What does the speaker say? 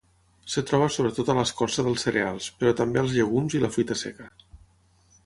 Es troba sobretot a l'escorça dels cereals, però també als llegums i la fruita seca.